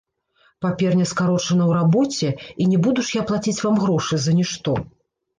Паперня скарочана ў рабоце, і не буду ж я плаціць вам грошы за нішто.